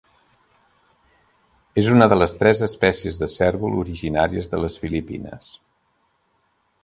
És una de les tres espècies de cérvol originàries de les Filipines.